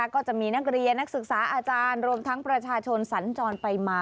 ก็จะมีนักเรียนนักศึกษาอาจารย์รวมทั้งประชาชนสัญจรไปมา